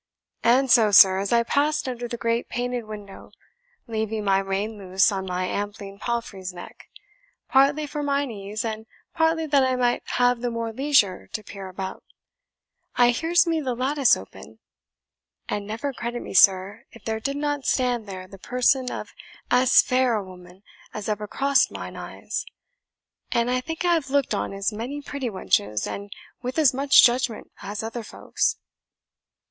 And so, sir, as I passed under the great painted window, leaving my rein loose on my ambling palfrey's neck, partly for mine ease, and partly that I might have the more leisure to peer about, I hears me the lattice open; and never credit me, sir, if there did not stand there the person of as fair a woman as ever crossed mine eyes; and I think I have looked on as many pretty wenches, and with as much judgment, as other folks."